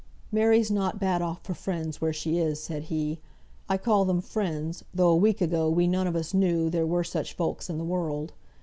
"Mary's not bad off for friends where she is," said he. "I call them friends, though a week ago we none of us knew there were such folks in the world.